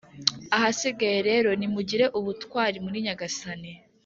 Ahasigaye rero, nimugire ubutwari muri Nyagasani,